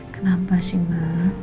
kenapa sih ma